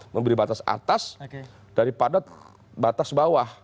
memberi batas atas daripada batas bawah